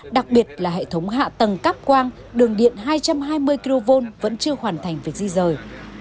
đặc biệt là hệ thống hạ tầng cắp quang đường điện hai trăm hai mươi kv vẫn chưa hoàn thành việc di rời